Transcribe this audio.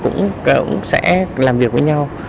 cũng sẽ làm việc với nhau